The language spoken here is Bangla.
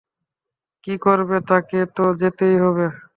কী করবে, তাকে তো খেতে হবে।